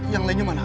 yang lainnya mana